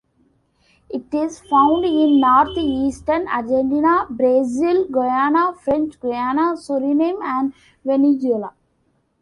It is found in North-eastern Argentina, Brazil, Guyana, French Guiana, Suriname and Venezuela.